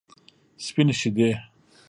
سپینې شیدې.